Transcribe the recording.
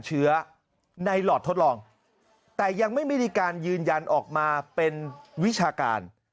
เชื้อในหลอดทดลองแต่ยังไม่มีการยืนยันออกมาเป็นวิชาการ